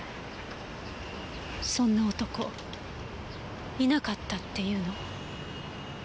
そんな男いなかったって言うの？